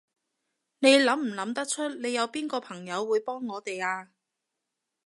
你諗唔諗得出，你有邊個朋友會幫我哋啊？